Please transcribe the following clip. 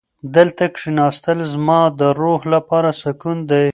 دلته کښېناستل زما د روح لپاره سکون دی.